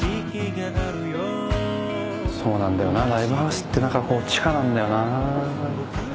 そうなんだよなライブハウスって何かこう地下なんだよな。